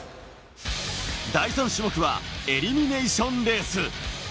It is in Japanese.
第３種目がエリミネイションレース。